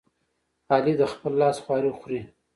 علي د خپل لاس خواري خوري.